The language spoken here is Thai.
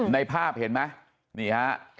ในภาพเห็นไหมนี่ฮะ